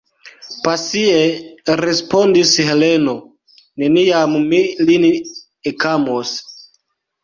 pasie respondis Heleno: neniam mi lin ekamos.